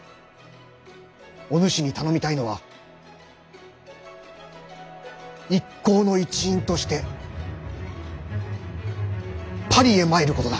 お主に頼みたいのは一行の一員としてパリへ参ることだ。